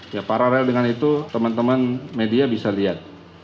ya paralel dengan itu teman teman media bisa lihat